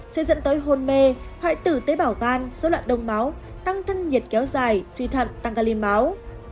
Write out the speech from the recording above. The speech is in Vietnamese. sẽ dẫn tới hồn mê hoại tử tế bảo gan dỗ loạn đồng máu tăng thân nhiệt kéo dài suy thận tăng ca ly máu